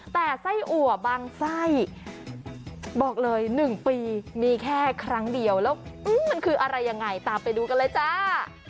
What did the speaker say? แต่ไส้อัวบางไส้บอกเลย๑ปีมีแค่ครั้งเดียวแล้วมันคืออะไรยังไงตามไปดูกันเลยจ้า